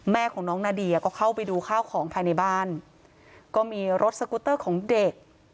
แม่ของน้องนาเดียก็เข้าไปดูข้าวของภายในบ้านก็มีรถสกุตเตอร์ของเด็ก